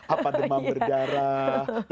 apa demam berdarah